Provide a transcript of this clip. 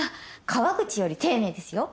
河口より丁寧ですよ。